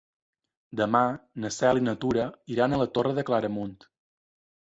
Demà na Cel i na Tura iran a la Torre de Claramunt.